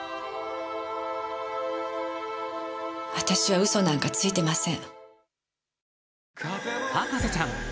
私は嘘なんかついてません。